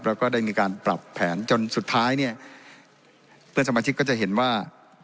แล้วก็ได้มีการปรับแผนจนสุดท้ายเนี่ยเพื่อนสมาชิกก็จะเห็นว่า